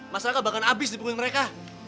mas raka bakal abis di punggung mereka